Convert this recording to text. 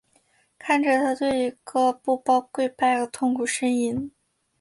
看着他对着一个布包跪拜和痛苦呻吟。